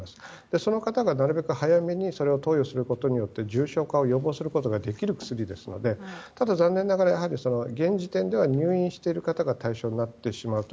その方がなるべく早めに投与することで重症化を予防することができますのでただ残念ながら現時点では入院している方が対象になってしまう。